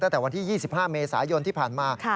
ตั้งแต่วันที่๒๕เมษายนที่ผ่านมา